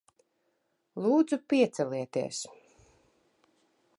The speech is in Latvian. Lūdzu, piecelieties.